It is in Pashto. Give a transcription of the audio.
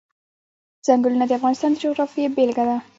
ځنګلونه د افغانستان د جغرافیې بېلګه ده.